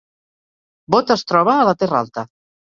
Bot es troba a la Terra Alta